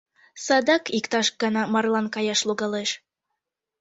Садак иктаж гана марлан каяш логалеш.